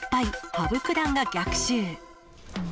羽生九段が逆襲。